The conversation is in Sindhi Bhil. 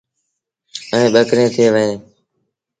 ائيٚݩ ٻڪريٚ ٿئي وهي۔